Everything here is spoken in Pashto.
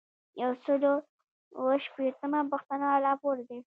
یو سل او اووه شپیتمه پوښتنه راپور دی.